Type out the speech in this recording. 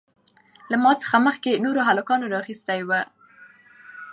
له ما څخه مخکې نورو هلکانو رااېستى وو.